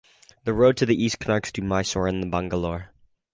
The road to the east connects to Mysore and Bangalore.